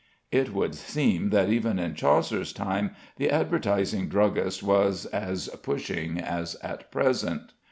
It would seem that even in Chaucer's time the advertising druggist was as pushing as at present.